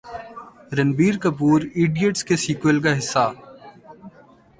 Ranbir Kapoor idiots کے sequel کا حصہ